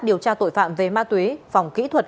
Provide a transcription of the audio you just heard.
điều tra tội phạm về ma túy phòng kỹ thuật